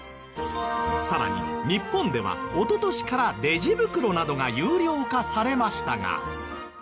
さらに日本ではおととしからレジ袋などが有料化されましたが。